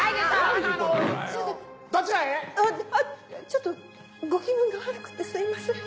ちょっと気分が悪くてすいません。